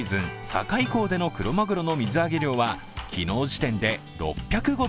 境港でのクロマグロの水揚げ量は昨日時点で６０５ｔ。